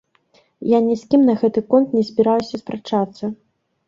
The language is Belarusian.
Я ні з кім на гэты конт не збіраюся спрачацца.